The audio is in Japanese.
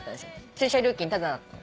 駐車料金タダだったの。